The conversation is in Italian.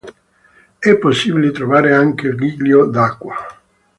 È possibile trovare anche il giglio d'acqua.